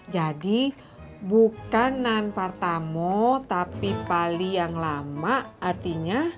jadi bukan nanpartamo tapi paling yang lama artinya